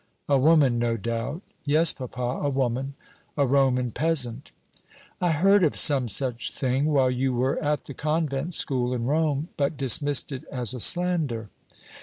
"A woman, no doubt." "Yes, papa, a woman a Roman peasant." "I heard of some such thing while you were at the convent school in Rome, but dismissed it as a slander."